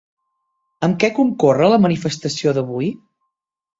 Amb què concorre la manifestació d'avui?